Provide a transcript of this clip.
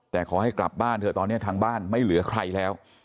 แต่ขอให้กลับบ้านเถอะตอนนี้ทางบ้านไม่เหลือใครแล้ว